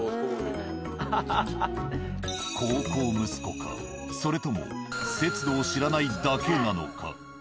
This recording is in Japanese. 孝行息子かそれとも節度を知らないだけなのか。